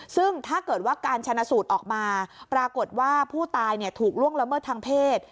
ซึ่งถ้าเกิดว่าการชนะสูตรออกมาปรากฏว่าผู้ตายถูกล่วงละเมิดทางเพศ